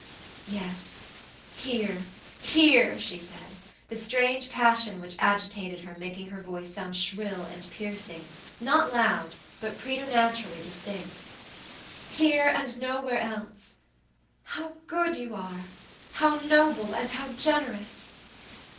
"Yes, here, here," she said, the strange passion which agitated her making her voice sound shrill and piercingnot loud, but preternaturally distinct; "here and nowhere else. How good you arehow noble and how generous!